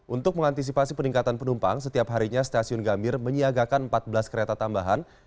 untuk mengantisipasi peningkatan penumpang setiap harinya stasiun gambir menyiagakan empat belas kereta tambahan